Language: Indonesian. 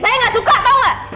saya gak suka tau gak